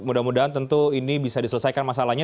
mudah mudahan tentu ini bisa diselesaikan masalahnya